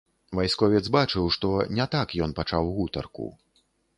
Вайсковец бачыў, што не так ён пачаў гутарку.